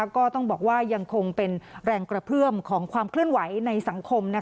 ก็ต้องบอกว่ายังคงเป็นแรงกระเพื่อมของความเคลื่อนไหวในสังคม